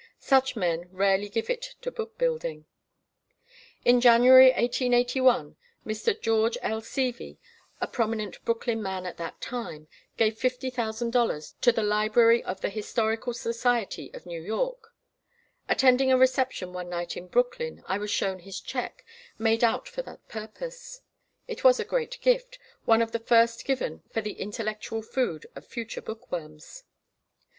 Such men rarely give it to book building. In January, 1881, Mr. George L. Seavey, a prominent Brooklyn man at that time, gave $50,000 to the library of the Historical Society of New York. Attending a reception one night in Brooklyn, I was shown his check, made out for that purpose. It was a great gift, one of the first given for the intellectual food of future bookworms.